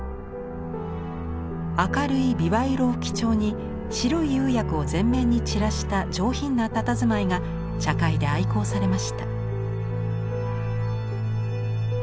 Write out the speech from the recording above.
明るい枇杷色を基調に白い釉薬を全面に散らした上品なたたずまいが茶会で愛好されました。